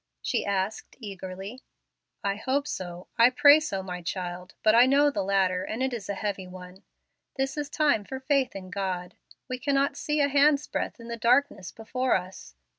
she asked, eagerly. "I hope so. I pray so, my child. But I know the ladder, and it is a heavy one. This is time for faith in God. We cannot see a hand's breadth in the darkness before us.